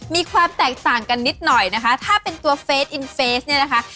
มีความแตกต่างกันนิดหน่อยนะคะถ้าเป็นตัวเฟสอินเฟสเนี่ยนะคะ